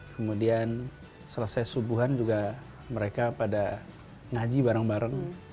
kemudian selesai subuhan juga mereka pada ngaji bareng bareng